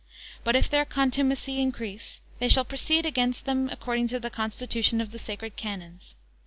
But if their contumacy increase, they shall proceed against them according to the constitution of the sacred canons.